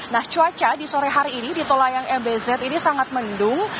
nah cuaca di sore hari ini di tol layang mbz ini sangat mendung